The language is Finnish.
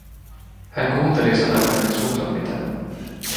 Hän kuunteli, sanoiko hänen suunsa mitään.